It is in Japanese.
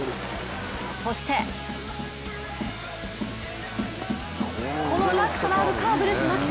そしてこの落差のあるカーブです。